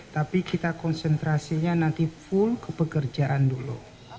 tapi kita konsentrasinya nanti full ke pekerjaan dulu